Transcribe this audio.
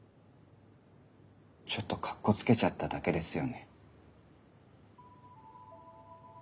ちょっとかっこつけちゃっただけですよね？